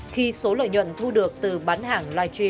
khi số lợi nhuận thu được từ bán hàng